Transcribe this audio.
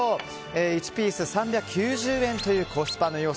１ピース３９０円というコスパの良さ。